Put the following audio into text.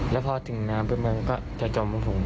แล้วพอถึงน้ำปุ๊บมันก็จะจมของผม